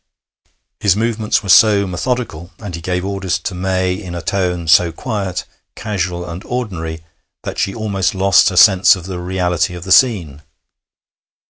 His movements were so methodical, and he gave orders to May in a tone so quiet, casual, and ordinary, that she almost lost her sense of the reality of the scene.